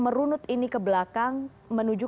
merunut ini ke belakang menuju